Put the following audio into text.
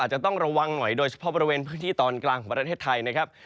จะต้องระวังหน่อยโดยเฉพาะบริเวณพื้นที่ตอนกลางของประเทศไทยนะครับ